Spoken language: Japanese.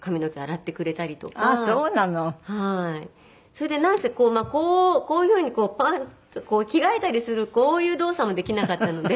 それでなんせこういうふうに着替えたりするこういう動作もできなかったので。